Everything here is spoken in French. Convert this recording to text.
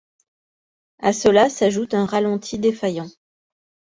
A cela s'ajoute un ralenti défaillant.